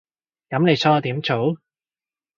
噉你想我點做？